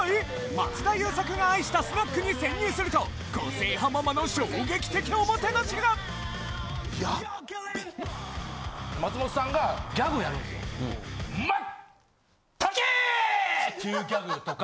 松田優作が愛したスナックに潜入すると個性派ママの衝撃的なおもてなしが！っていうギャグとか。